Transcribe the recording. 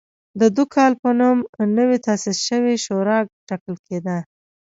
د دوکال په نوم نوې تاسیس شوې شورا ټاکل کېده